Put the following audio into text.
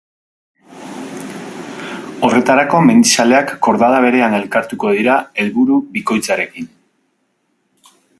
Horretarako, mendizaleak kordada berean elkartuko dira, helburu bikoitzarekin.